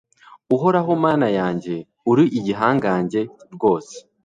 Uhoraho Mana yanjye uri igihangange rwose